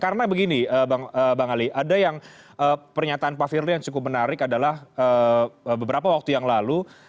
karena begini bang ali ada yang pernyataan pak firly yang cukup menarik adalah beberapa waktu yang lalu